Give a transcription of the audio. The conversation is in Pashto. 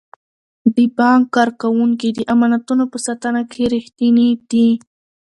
د بانک کارکوونکي د امانتونو په ساتنه کې ریښتیني دي.